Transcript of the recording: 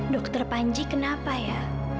dokter panji kenapa ya